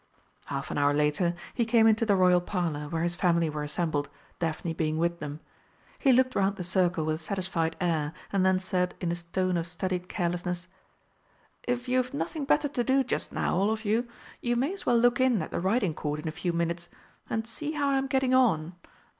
Half an hour later, he came into the Royal Parlour, where his family were assembled, Daphne being with them. He looked round the circle with a satisfied air, and then said in a tone of studied carelessness, "If you've nothing better to do just now, all of you, you may as well look in at the Riding Court in a few minutes, and see how I'm getting on.